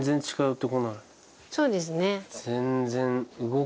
そうですね。